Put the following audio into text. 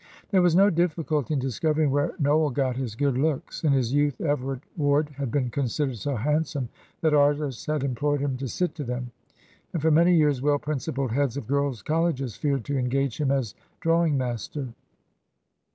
There was no difficulty in discovering where Noel got his good looks. In his youth Everard Ward had been considered so handsome that artists had implored him to sit to them; and for many years well principled heads of girls' colleges feared to engage him as drawing master.